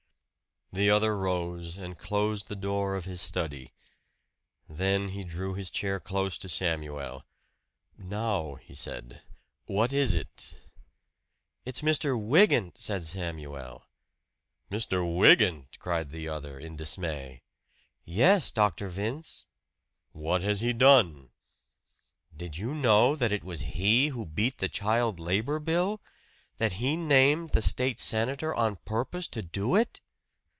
The other rose and closed the door of his study. Then he drew his chair close to Samuel. "Now," he said, "what is it?" "It's Mr. Wygant," said Samuel. "Mr. Wygant!" cried the other in dismay. "Yes, Dr. Vince." "What has he done?" "Did you know that it was he who beat the child labor bill that he named the State senator on purpose to do it?"